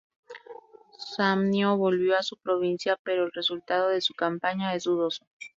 Samnio volvió a su provincia, pero el resultado de su campaña es dudoso.